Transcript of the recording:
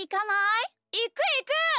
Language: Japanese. いくいく！